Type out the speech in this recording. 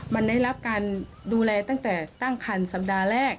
มันได้รับการดูแลตั้งแต่ตั้งคันสัปดาห์แรก